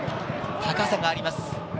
高さがあります。